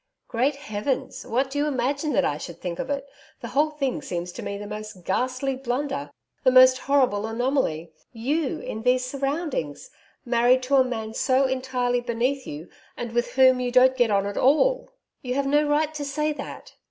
'Great heavens! What do you imagine that I should think of it! The whole thing seems to me the most ghastly blunder the most horrible anomaly. You in these surroundings! Married to a man so entirely beneath you, and with whom you don't get on at all.' 'You have no right to say that.'